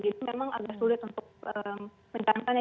jadi memang agak sulit untuk menjalankannya